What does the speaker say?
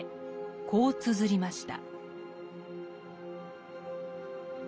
こうつづりました。